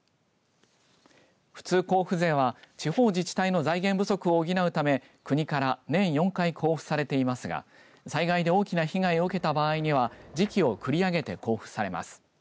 普通交付税は地方自治体の財源不足を補うため国から年４回交付されていますが災害で大きな被害を受けた場合には時期を繰り上げて交付されます。